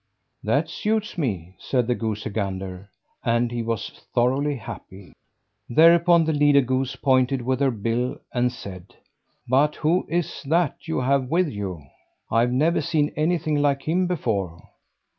"That suits me!" said the goosey gander and he was thoroughly happy. Thereupon the leader goose pointed with her bill and said: "But who is that you have with you? I've never seen anything like him before."